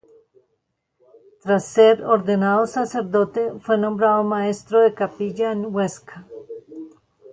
Tras ser ordenado sacerdote, fue nombrado maestro de capilla en Huesca.